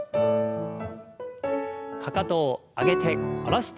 かかとを上げて下ろして上げて。